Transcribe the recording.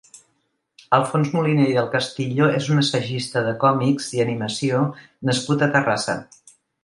Alfons Moliné i del Castillo és un assagista de còmics i animació nascut a Terrassa.